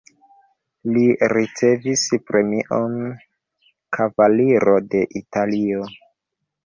Li ricevis premion "Kavaliro de Italio".